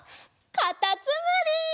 かたつむり！